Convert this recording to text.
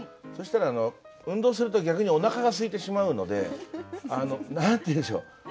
そしたら運動すると逆におなかがすいてしまうのであの何て言うんでしょう。